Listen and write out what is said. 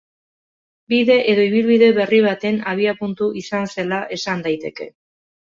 Bide edo ibilbide berri baten abiapuntu izan zela esan daiteke.